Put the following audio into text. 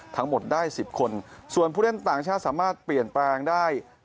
ทั้งหมดได้๑๐คนส่วนผู้เล่นต่างชาติสามารถเปลี่ยนแปลงได้